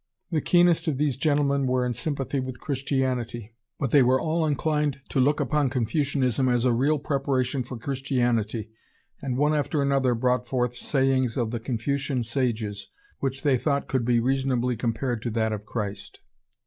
The keenest of these gentlemen were in sympathy with Christianity, but they were all inclined to look upon Confucianism as a real preparation for Christianity, and one after another brought forth sayings of the Confucian sages which they thought could be reasonably compared to that of Christ.